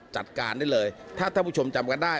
จัดการได้เลยถ้าท่านผู้ชมจำกันได้